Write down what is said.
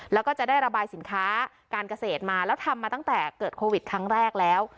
แล้วก็จะได้ระบายสินค้าการเกษตรมาแล้วทำมาตั้งแต่เกิดโควิดครั้งแรกแล้ว